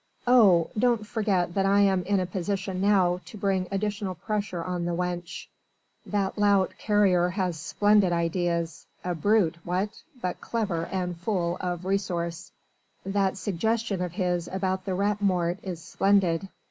"Oh! don't forget that I am in a position now to bring additional pressure on the wench. That lout Carrier has splendid ideas a brute, what? but clever and full of resource. That suggestion of his about the Rat Mort is splendid...."